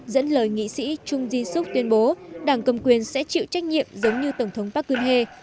dẫn lời nghị sĩ chung jin suk tuyên bố đảng cầm quyền sẽ chịu trách nhiệm giống như tổng thống park geun hye